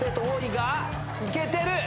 いけてる！